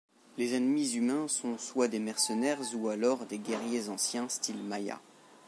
Les ennemis humains sont soit des mercenaires ou alors des guerriers anciens, style maya.